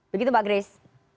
begitu mbak gris